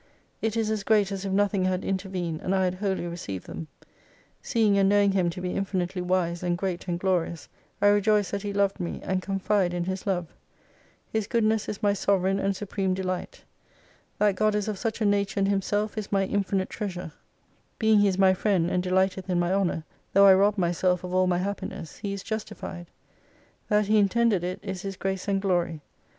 It is as great as if nothing had intervened, and I had wholly received them. Seeing and knowing Him to be infinitely wise and great and glorious, I rejoice that He loved me, and confide in His love. His goodness is my sovereign and supreme delight. That God is of such a nature in Himself is my infinite treasure. Being He is my friend, and delighteth in my honour, though I rob myself of all my happiness, He is justified. That He intended it, is His grace and glory.